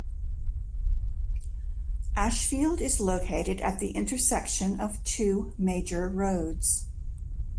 Ashfield is located at the intersection of two major roads.